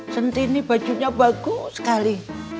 sentini bajunya bagus sekali